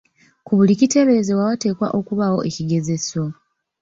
Ku buli kiteeberezebwa wateekwa okubaawo ekigezeso.